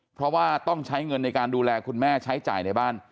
เพราะว่าต้องใช้เงินในการดูแลคุณแม่ใช้จ่ายในบ้าน